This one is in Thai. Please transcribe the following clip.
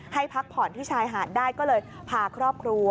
พักผ่อนที่ชายหาดได้ก็เลยพาครอบครัว